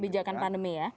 bijakan pandemi ya